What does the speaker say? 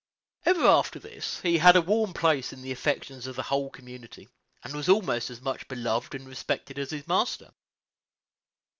Ever after this he had a warm place in the affections of the whole community, and was almost as much beloved and respected as his master.